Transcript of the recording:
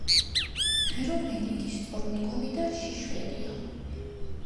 ღერო მედეგი, სწორმდგომი და შიშველია.